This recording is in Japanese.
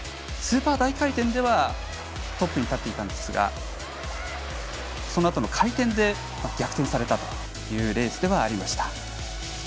スーパー大回転ではトップに立っていたんですがそのあとの回転で逆転されたというレースでした。